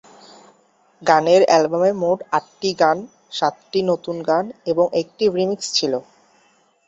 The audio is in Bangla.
গানের অ্যালবামে মোট আটটি গান, সাতটি নতুন গান এবং একটি রিমিক্স ছিল।